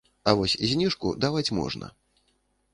А вось зніжку даваць можна.